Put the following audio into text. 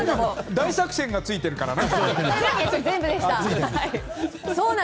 大作戦がついているからかな？